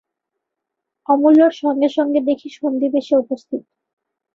অমূল্যর সঙ্গে সঙ্গে দেখি সন্দীপ এসে উপস্থিত।